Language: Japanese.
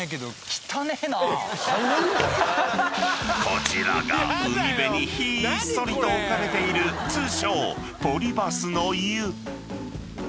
［こちらが海辺にひっそりと置かれている通称］